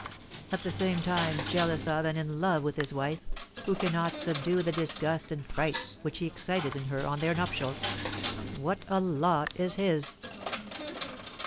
At the same time jealous of and in love with his wife, who cannot subdue the disgust and fright which he excited in her on their nuptials, what a lot is his!"